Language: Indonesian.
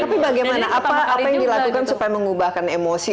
tapi bagaimana apa yang dilakukan supaya mengubahkan emosi